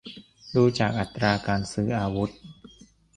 ดูจากอัตราการซื้ออาวุธ